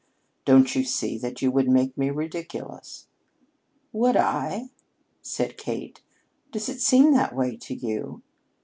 Don't you see that you would make me ridiculous?" "Would I?" said Kate. "Does it seem that way to you?